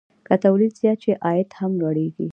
که تولید زیات شي، عاید هم لوړېږي.